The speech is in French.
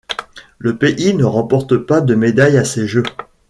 Le pays ne remporte pas de médaille à ces jeux.